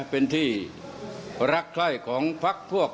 เป็นที่รักใคร่ของพักพวก